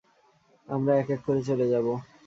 আমরা এক এক করে চলে যাবো।